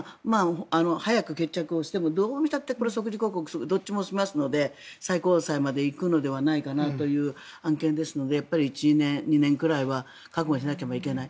早く決着をしてもどう見たってこれは即時抗告、どっちもしますので最高裁まで行くのではないかなという案件ですので１年、２年ぐらいは覚悟しなければいけない。